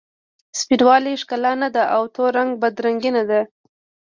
سپین والې ښکلا نه ده او تور رنګ بد رنګي نه ده.